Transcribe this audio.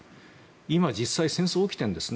今、実際戦争が起きてるんです。